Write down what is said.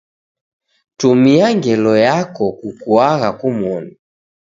Tumia ngelo yako kukuagha kumoni.